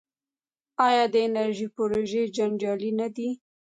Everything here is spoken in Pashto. آیا د انرژۍ پروژې جنجالي نه دي؟